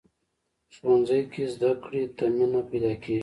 ښوونځی کې زده کړې ته مینه پیدا کېږي